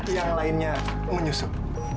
yang lainnya menyusup